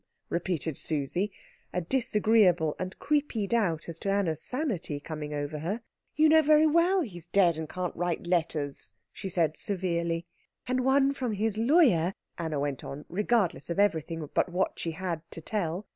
repeated Susie, a disagreeable and creepy doubt as to Anna's sanity coming over her. "You know very well he's dead and can't write letters," she said severely. " and one from his lawyer," Anna went on, regardless of everything but what she had to tell.